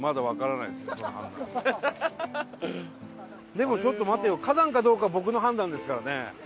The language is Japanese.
でもちょっと待てよ花壇かどうかは僕の判断ですからね。